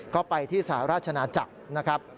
ก็ไปที่สหราชนาจักรนะครับ